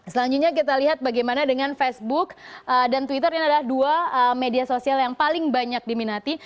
selanjutnya kita lihat bagaimana dengan facebook dan twitter ini adalah dua media sosial yang paling banyak diminati